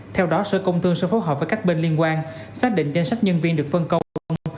theo đó sở công thương sẽ phối hợp với các bên liên quan xác định danh sách nhân viên được phân công